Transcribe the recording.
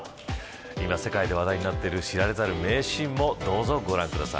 今世界で話題になっている知られざる名シーンもどうぞご覧ください。